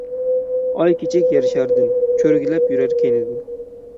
ئاي كىچىك يەر شارىدىن، چۆرگۈلەپ يۈرەر كەينىدىن.